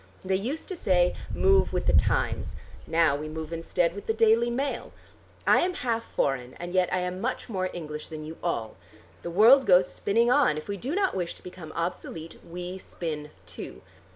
They used to say 'Move with the Times.' Now we move instead with the 'Daily Mail.' I am half foreign and yet I am much more English than you all. The world goes spinning on. If we do not wish to become obsolete we spin too.